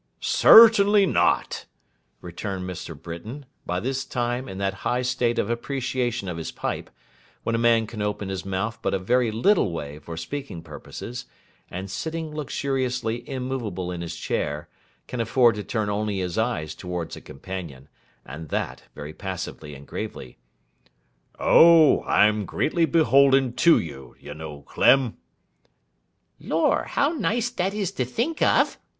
'Certainly not,' returned Mr. Britain, by this time in that high state of appreciation of his pipe, when a man can open his mouth but a very little way for speaking purposes; and sitting luxuriously immovable in his chair, can afford to turn only his eyes towards a companion, and that very passively and gravely. 'Oh! I'm greatly beholden to you, you know, Clem.' 'Lor, how nice that is to think of!